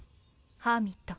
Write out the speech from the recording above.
ハーミット。